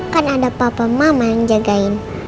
kan ada papa mama yang jagain